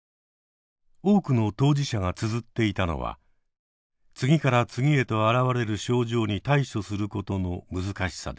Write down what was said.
多くの当事者がつづっていたのは次から次へとあらわれる症状に対処することの難しさでした。